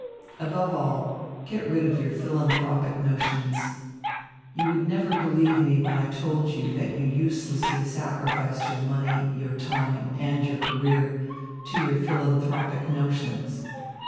Above all, get rid of your philanthropic notions. You would never believe me when I told you that you uselessly sacrificed your money, your time, and your career to your philanthropic notions.